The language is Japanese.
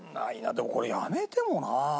でもこれやめてもな。